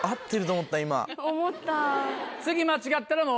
思った。